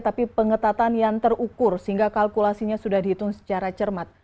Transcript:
tapi pengetatan yang terukur sehingga kalkulasinya sudah dihitung secara cermat